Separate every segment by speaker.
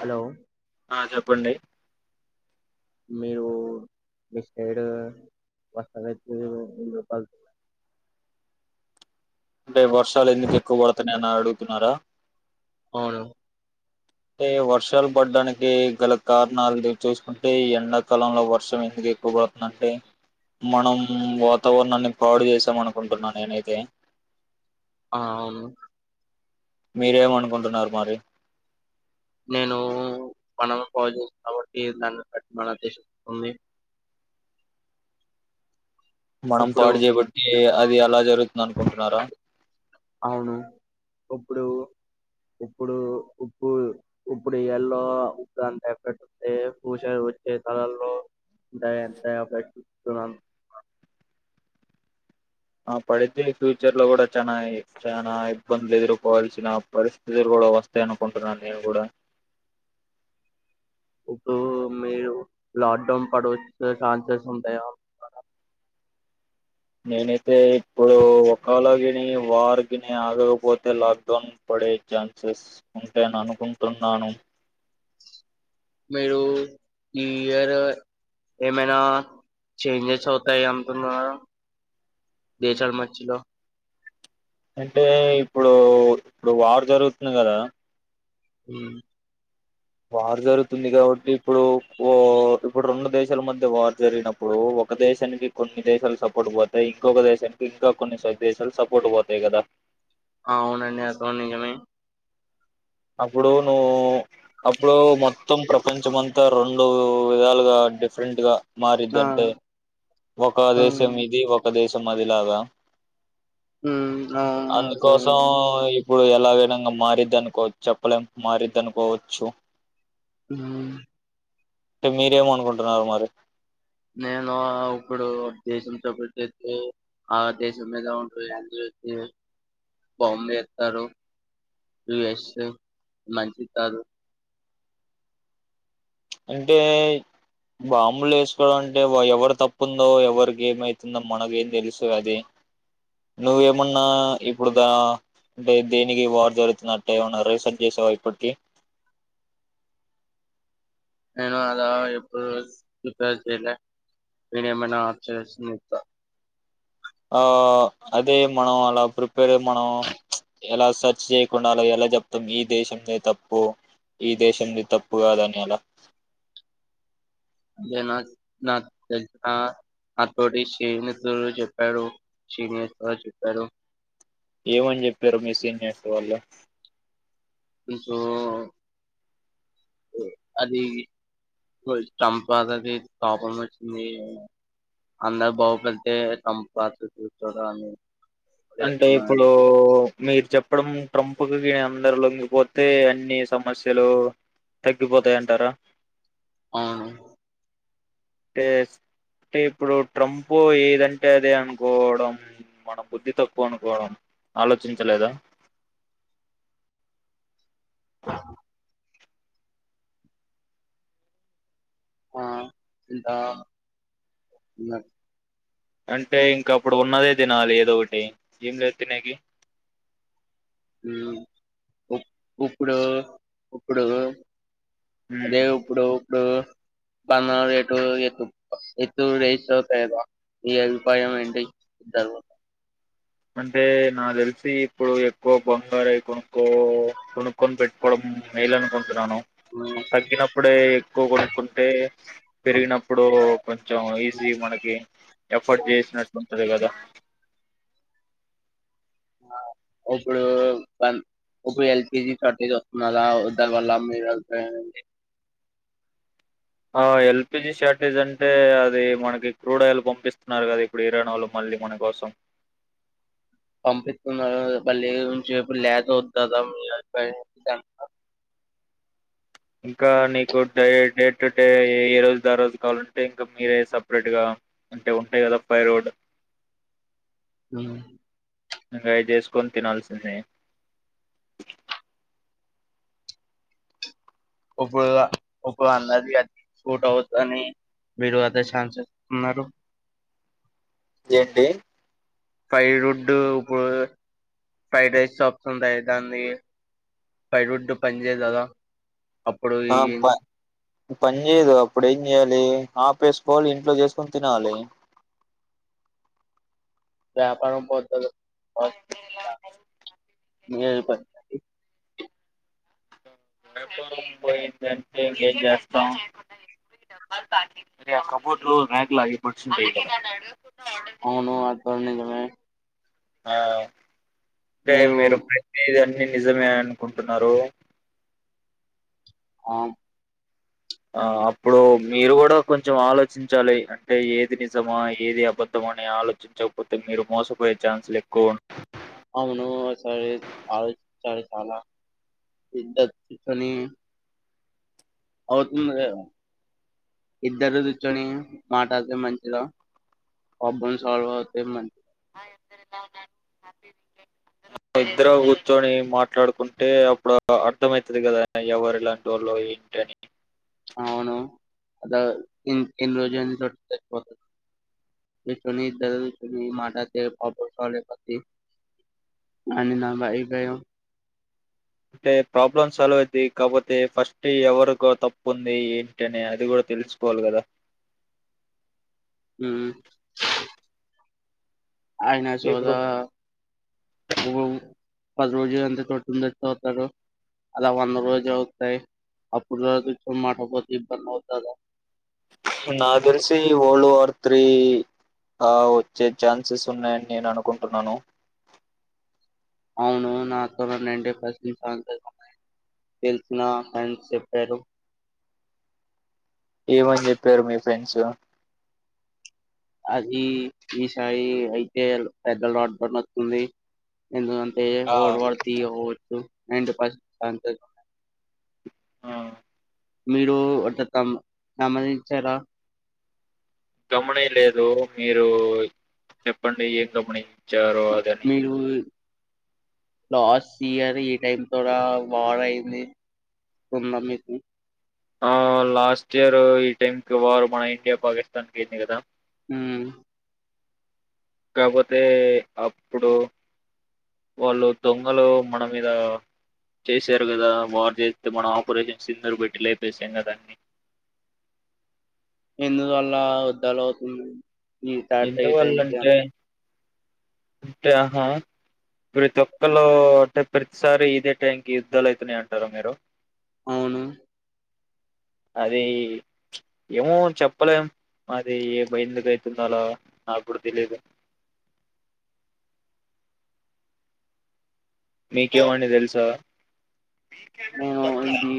Speaker 1: hello
Speaker 2: ఆ చెప్పండి
Speaker 1: మీరు మీ సైడ్ వస్తాలైతే ఉందు పల్తు
Speaker 2: అంటే వర్షాలు ఎందుకు ఎక్కువ పడుతాన్నాయని అడుగుతున్నారా
Speaker 1: అవును
Speaker 2: అంటే వర్షాలు పడ్డానికి గల కారణాలు చూసుకుంటే, ఎండాకాలంలో వర్షం ఎందుకు ఎక్కువ పడుతుందింటే, మనం వాతావరణాన్ని పాడు చేసాం అనుకుంటున్నా నేనైతే
Speaker 1: ఆ అవును
Speaker 2: మీరేమనుకుంటున్నారు మరి
Speaker 1: నేను మనం పో చేస్తు కాబట్టి దాన్ని బట్టి మనద్దేశిస్తుంది
Speaker 2: మనం
Speaker 1: ఇప్పుడు
Speaker 2: పాడు చేబట్టి అది అలా జరుగుతుంది అనుకుంటున్నారా
Speaker 1: అవును ఇప్పుడు ఇప్పుడు ఉప్పు ఇప్పుడు ఎల్లో ఉప్పు అంతాగా పెట్స్తే పూస వచ్చే తలల్లో ఎంతగా పెట్టుతున్నాం
Speaker 2: ఆ పడితే ఫ్యూచర్ లో కూడా చనా చానా ఇబ్బందులు ఎదుర్కోవాల్సిన పరిస్థితులు కూడా వస్తాయినుకుంటున్నాను నేను కూడా
Speaker 1: ఇప్పుడు మీరు లాక్ డౌన్ పడు వచ్చే ఛాన్సెస్ ఉంటాయా
Speaker 2: నేనే తే ఇప్పుడు ఒకలాగ అంటే వారు గిన ఆగకపోతే లాక్డౌన్ పడే ఛాన్సెస్ ఉంటాయి అనుకుంటున్నాను
Speaker 1: మీరు ఈ ఇయర్ ఏమైనా చేంజెస్ అవుతాయి అంటున్నారా దేశాల మధ్యలో
Speaker 2: అంటే ఇప్పుడు ఇప్పుడు వారు జరుగుతుంది కదా
Speaker 1: ఉ
Speaker 2: వార్ జరుగుతుంది కాబట్టి ఇప్పుడు ఓ ఇప్పుడు రెండు దేశాల మధ్య వార్ జరిగినప్పుడు ఒక దేశానికి కొన్ని దేశాలు సపోర్ట్ పోతాయి ఇంకొక దేశానికి ఇంకా కొన్ని దేశాలు సపోర్ట్ పోతాయి కదా
Speaker 1: ఆ అవునండి అత నిజమే
Speaker 2: అప్పుడు నువ్వు అప్పుడు మొత్తం ప్ర కొంచంమంతా రెండు విధాలుగా డిఫరెంట్ గా మారుద్ది
Speaker 1: ఆ
Speaker 2: అంతే ఒక
Speaker 1: అవును
Speaker 2: దేశం ఇది ఒక దేశం అదిలాగా
Speaker 1: ఉ ఆ ఆ ఆ
Speaker 2: అందుకోసం
Speaker 1: ఉ
Speaker 2: ఇప్పుడు ఎలాగైనా ఇంకా మారుద్ది అనుకోవచ్చు చెప్పలేం మారుద్ది అనుకోవచ్చు
Speaker 1: ఉ
Speaker 2: అంటే మీరేమనుకుంటున్నారు మరి
Speaker 1: నేను ఇప్పుడు దేశంతో పెట్తే ఆ దేశం మీద ఉంట ఎని చసి బాంబే ఎత్తరు యుఎస్ మంచిస్తారు
Speaker 2: అంటే బాంబులు వేసుకోవడం అంటే ఎవరి తప్పుందో ఎవరికి ఏమైతుందో మనకేం తెలుసు అది నువ్వేమన్నా ఇప్పుడు దా అంటే దేనికి వారు జరుగుతున్నట్టే ఏమన్నా రీసెర్చ్ చేసావా ఇప్పటికి
Speaker 1: నేను అలా ఎప్పుడు ప్రిపేర్ చేయలే నేను ఏమైనా ఆప్చస్త
Speaker 2: ఆ అదే మనం అలా ప్రిపేర్ మనం ఎలా సర్చ్ చేయకుండా అలా ఎలా చెప్తాం ఈ దేశంది తప్పు ఈ దేశంది తప్పు కాదని అలా
Speaker 1: ఇనా తెన నాతోటి సీనియర్స్ చెప్పారు సీనియర్స్ చెప్పారు
Speaker 2: ఏమని చెప్పారు మీ సీనియర్స్ వాళ్ళు
Speaker 1: అది టంప్ పాతది కాపం వచ్చింది అందరు బాగుపడితే టంప్ పాత చూస్తదా అని
Speaker 2: అంటే ఇప్పుడు
Speaker 1: చేస్తున్నానని
Speaker 2: మీరు చెప్పడం ట్రంప్కి అందరు లొంగిపోతే అన్ని సమస్యలు తగ్గిపోతాయంటారా
Speaker 1: అవును
Speaker 2: అంటే అంటే ఇప్పుడు ట్రంప్ ఏదంటే అదే అనుకోవడం మన బుద్ధి తక్కువ అనుకోవడం ఆలోచించలేదా
Speaker 1: ఆ ఆ దా ఇంగ
Speaker 2: అంటే ఇంకా అప్పుడు ఉన్నదే తినాలి ఏదోకటి ఏం లేదు తినేకి
Speaker 1: ఉ ఉప్ ఉప్పుడు ఉప్పుడు
Speaker 2: ఉమ్
Speaker 1: అదే ఉప్పుడు ఉప్పుడు [unintelligible]
Speaker 2: అంటే నాకు తెలిసి ఇప్పుడు ఎక్కువ బంగారయి కొనుక్కో కొనుక్కొని పెట్టుకోవడం మేలు అనుకుంటున్నాను తగ్గినప్పుడే కో కొనుకుంటే పెరిగినప్పుడు కొంచెం ఈజీ మనకి ఎఫోర్ట్ చేసినట్ అదే కదా
Speaker 1: ఇంగ ఇప్పుడు కం ఇప్పుడు ఎల్పిజీ షార్టేజ్ వస్తున్నాద దాని వల్ల మీ అభిప్రాయం ఎంటి
Speaker 2: ఆ ఎల్పిజి షార్టేజ్ అంటే అది మనకి క్రూడ్ ఆయిల్ పంపిస్తున్నారు కదా ఇప్పుడు ఇరానోళ్లు మళ్ళీ మన కోసం
Speaker 1: పంపిస్తున్నారు మల్లి నుంచి ఇపుడు లాస్వద్దా మీ అభిప్రాయం దాని మీద
Speaker 2: ఇంకా నీకు డే డే టు డే ఏ రోజు ద రోజు కావాలంటే ఇంకా మీరే సపరేట్ గా అంటే ఉంటాయి కదా పై రోడ్
Speaker 1: ఆ
Speaker 2: ఇంకా అయి చేసుకొని తినాల్సిందే
Speaker 1: ఇప్పుడు ఇప్పుడు అన్నది అది సుట్ అవుతని మీరు అదే చాన్స్ ఇస్తున్నారు
Speaker 2: ఏంటి
Speaker 1: ఫ్రై రుడ్ ఇప్పుడు ఫ్రైడ్ రైస్ షాప్స్ ఉంటాయి దాన్ని ఫ్రై రుడ్ పని చేయదు కదా
Speaker 2: ఆప్కా పనిచేయదు అప్పుడు ఏం చేయాలి ఆపేసుకోవాలి ఇంట్లో చేసుకొని తినాలి
Speaker 1: వ్యాపారాం పోతదు
Speaker 2: హాయ్ అక్క ఎలా ఉన్నారు
Speaker 1: మీరు పని పడి
Speaker 2: వ్యాపారం పోయింది అంటే ఇంకేం చేస్తం ఆ కబోర్డ్ లో ర్యాకులయి పరిచివుంటై
Speaker 1: అవును అంతా నిజమే
Speaker 2: ఆ తే మీరు ప్రతి దాని నిజమే అనుకుంటున్నారు
Speaker 1: ఆ
Speaker 2: ఆ అప్పుడు మీరు కూడా కొంచెం ఆలోచించాలి అంటే ఏది నిజమా ఏది అబద్ధమా అని ఆలోచించకపోతే మీరు మోసపోయే ఛాన్సులు ఎక్కువ
Speaker 1: అవును సరే ఆలోచించాలి చాలా వింత చుసుకోని అవుతుంది కద ఇద్దరు కూర్చొని మాట్లాడితే మంచిదా ప్రాబ్లం సాల్వ్ అవుతే మంచి
Speaker 2: [unintelligible] ఇద్దరు కూర్చొని మాట్లాడుకుంటే అప్పుడు అర్థమైతది కదా ఎవరు ఎలాంటోల్లో ఏంటని
Speaker 1: అవును అద ఇన్ ఎన్ని రోజుల [unintelligible] ఇద్దరుకూచొని మాటతే ప్రాబ్లం సాల్వ్ అవుతుంది అని నా అభిప్రాయం
Speaker 2: అంటే ప్రాబ్లమ్ సాల్వ్ అయిద్ది కాపోతే ఫస్ట్ ఎవరికో తప్పు ఉంది ఏంటని అది కూడా తెలుసుకోవాలి కదా
Speaker 1: ఉ అయనా
Speaker 2: ఇప్పుడు
Speaker 1: సోదా ఓ పది రోజు ఎంత [unintelligible] అలా వంద రోజులు అవుతాయి అప్పుడు వరకు [unintelligible] మాటపోతే ఇబ్బంది అవుతాద
Speaker 2: నా తెలిసి వరల్డ్ వార్ త్రీ వచ్చే ఛాన్సెస్ ఉన్నాయని నేను అనుకుంటున్నాను
Speaker 1: అవును నాకు [unintelligible] తెలిసిన ఆయన చెప్పారు
Speaker 2: ఏమని చెప్పారు మీ ఫ్రెండ్స్
Speaker 1: అది ఈసారి అయితే పెద్ద రాడ్ పడినట్టువుంది ఎందు ఎ
Speaker 2: ఆ
Speaker 1: వాల్డ్ వార్ త్రీ అవచ్చు అండ్ ఫస్ట్ ఛాన్సెస్ మీరు అంటే తం గమనించారా
Speaker 2: గమనీయ లేదు మీరు చెప్పండి ఏం గమనీ చారో అదని
Speaker 1: మీరు లాస్ట్ ఇయర్ ఈ టైమ్ తోడ వార్ అయింది తుంద మీకి
Speaker 2: ఆ లాస్ట్ ఇయర్ ఈ టైంకి వారు మన ఇండియా పాకిస్తాన్ కయింది కదా
Speaker 1: హమ్
Speaker 2: కాకపోతే అప్పుడు వాళ్ళు దొంగలు మన మీద చేసారు కదా వారు చేస్తే మన ఆపరేషన్స్ సింధూర్ పెట్టి లేపేశాం కదా దాన్ని
Speaker 1: ఇందువల్ల యుద్ధాలు అవుతున్నాయి
Speaker 2: ఎందువల్ల అంటే అంటే ఆహా ప్రతి ఒక్కళ అంటే ప్రతిసారి ఇదే టైంకి యుద్ధాలు అవుతున్నాయి అంటారు మీరు
Speaker 1: అవును
Speaker 2: అది ఏమో చెప్పలేం మారీ అందుకు అయితున్నాయి అలా నాకు తెలీదు మీకేమండి తెలుసా
Speaker 1: నేను ఇది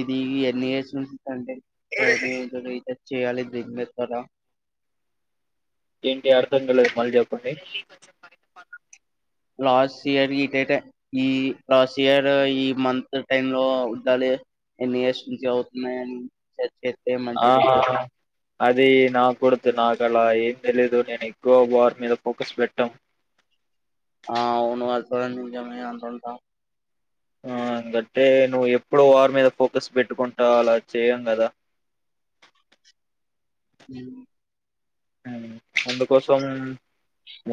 Speaker 1: ఇది ఎన్ని చేసినావ్ సండే [inaudible] చేయాలి [inaudible]
Speaker 2: ఏంటి అర్థంకాలేదు మళ్ళీ చెప్పండి
Speaker 1: లాస్ట్ ఇయర్ ఈ డేటె ఈ లాస్ట్ ఇయర్ ఈ మంత్ టైమ్ లో ఉండాలి ఎన్ని ఇయర్స్ నుంచి అవుతున్నాయని చెప్తే
Speaker 2: ఆ
Speaker 1: మంచిగుంటది
Speaker 2: అది నా కొడుకు నాకల ఏం తెలీదు నేను ఎక్కువ వార్ మీద పోకస్ పెట్టం
Speaker 1: ఆ అవును అస్తురమే అంటంట
Speaker 2: ఆ ఎకంటే నువ్వు ఎప్పుడో వార్ మీద ఫోకస్ పెట్టుకుంటా అలా చేయం కదా
Speaker 1: హమ్
Speaker 2: అందుకోసం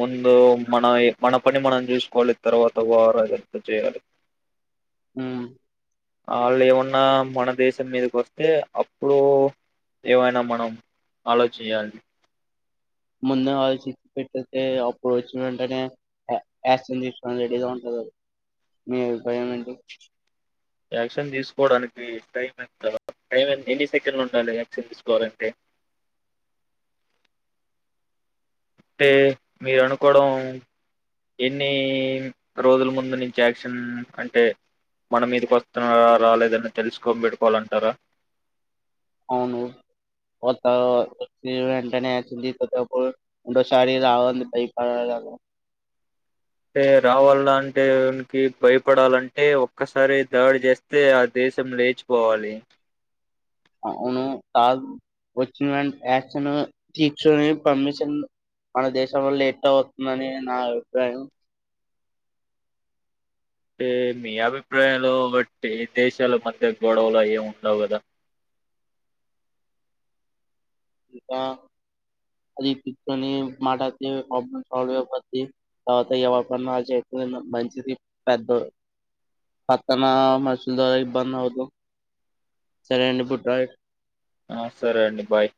Speaker 2: ముందు మనవి మన పని మనం చూసుకోవాలి తర్వాత వార్ అది అంత చేయాలి
Speaker 1: ఆ
Speaker 2: ఆళ్ళు ఏమన్నా మన దేశం మీదకి వస్తే అప్పుడు ఏమైనా మనం అలోచేయాలి
Speaker 1: ముందే హౌస్ ఇడ్సిపెట్టేసి అప్పుడు వచ్చిన వెంటనే యాక్షన్ తీసుకొని రెడీగా ఉంటంది అభిప్రాయం ఏంటి
Speaker 2: యాక్షన్ తీసుకోవడానికి టైం ఎంతా టైం ఎన్ని సెకండ్లు ఉండాలి యాక్షన్ తీసుకోవాలంటే అంటే మీరు అనుకోవడం ఎన్ని రోజుల ముందు నుంచి యాక్షన్ అంటే మన మీదికి వస్తున్నారా రాలేదని తెలుసుకొని బెట్టుకోవాలంటారా
Speaker 1: అవును కొత్త వెంటనే యాక్షన్ తీసుకోకపోతే అప్పుడు ఇంకోసారి రావాలంటే బయపడల
Speaker 2: అంటే రావాల అంటే నికి భయపడాలంటే ఒక్కసారె దాడి చేస్తే ఆ దేశం లేచిపోవాలి
Speaker 1: అవును కాద్ వచ్చిన వెంటనే యాక్షన్ తిస్కునే పర్మిషన్ మన దేశంలో లేట్ అవుతుందని నా అభిప్రాయం
Speaker 2: అంటే మీ అభిప్రాయాలు బట్టి దేశాల మధ్య గొడవలు అవేం ఉండవు గదా
Speaker 1: ఇంకా అది తీసుకొని మాటతే ప్రాబ్లమ్ సాల్వ్ అయిపోద్ది తర్వాత ఎవరీ పని వాల్ చేసుకోవడం మంచిది పెద్ద పక్కన మనుషుల ద్వారా ఇబ్బంది అవుదు సరే అండి ఇప్పుడూ
Speaker 2: ఆ సరే అండి బాయ్